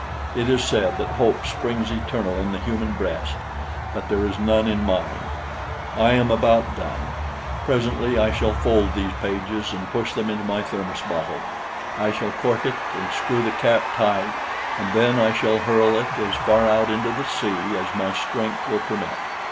It is said that hope springs eternal in the human breast; but there is none in mine. I am about done. Presently I shall fold these pages and push them into my thermos bottle. I shall cork it and screw the cap tight, and then I shall hurl it as far out into the sea as my strength will permit.